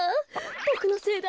ボクのせいだ！